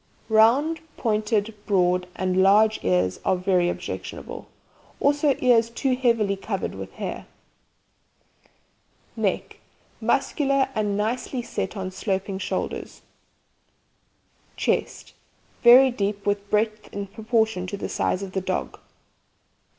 Round, pointed, broad and large ears are very objectionable, also ears too heavily covered with hair. NECK Muscular, and nicely set on sloping shoulders. CHEST Very deep, with breadth in proportion to the size of the dog.